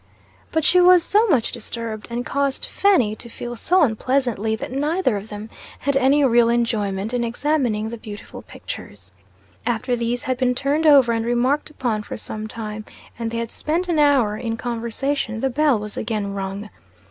But she was so much disturbed and caused Fanny to feel so unpleasantly that neither of them had any real enjoyment in examining the beautiful pictures. After these had been turned over and remarked upon for some time, and they had spent an hour in conversation, the bell was again rung.